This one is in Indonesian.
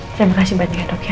terima kasih banyak ya dok ya